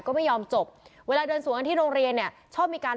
ก็ไม่ยอมจบเวลาเดินสวนกันที่โรงเรียนเนี่ยชอบมีการ